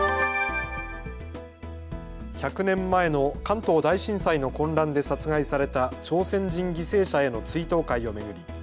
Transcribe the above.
１００年前の関東大震災の混乱で殺害された朝鮮人犠牲者への追悼会を巡り